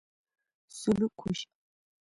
سلوک وشي.